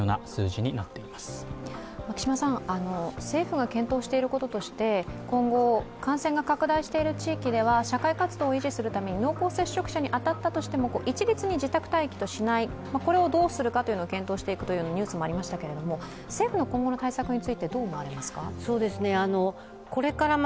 政府が検討していることとして今後、感染が拡大している地域では社会活動を維持するために濃厚接触者に当たったとしても一律に自宅待機としない、これをどうするかというのを検討していくというニュースもありましたけれど政府の今後の対策についてどう思われますか。